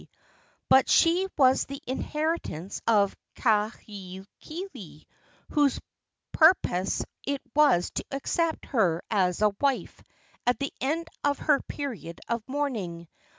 But she was the inheritance of Kahekili, whose purpose it was to accept her as a wife at the end of her period of mourning.